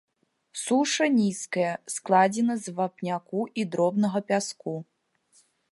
Суша нізкая, складзена з вапняку і дробнага пяску.